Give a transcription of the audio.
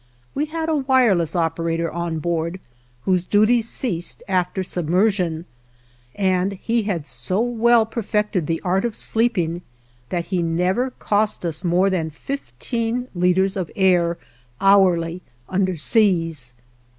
We had a wireless operator on board whose duties ceased after submersion, and he had so well perfected the art of sleeping that he never cost us more than fifteen liters of air, hourly, underseas.